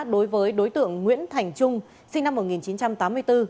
đối với đối tượng nguyễn thành trung sinh năm một nghìn chín trăm tám mươi bốn